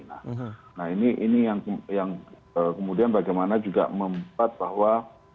nah ini yang kemudian bagaimana juga membuat bahwa